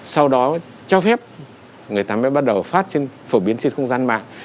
sau đó cho phép người ta mới bắt đầu phát trên phổ biến trên không gian mạng